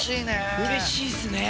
うれしいですね。